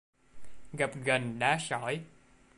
Gập ghềnh đá sỏi